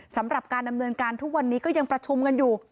สำหรับการดำเนินการทุกวันนี้ก็ยังประชุมกันอยู่